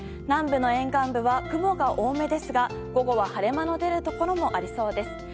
南部の沿岸部は雲が多めですが午後は晴れ間の出るところもありそうです。